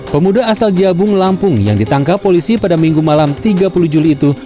pemuda asal jabung lampung yang ditangkap polisi pada minggu malam tiga puluh juli itu